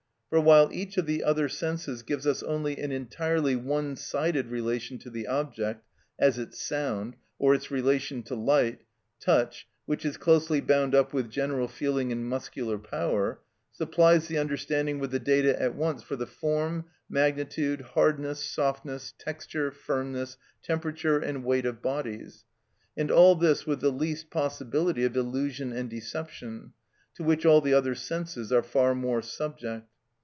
For while each of the other senses gives us only an entirely one sided relation to the object, as its sound, or its relation to light, touch, which is closely bound up with general feeling and muscular power, supplies the understanding with the data at once for the form, magnitude, hardness, softness, texture, firmness, temperature, and weight of bodies, and all this with the least possibility of illusion and deception, to which all the other senses are far more subject.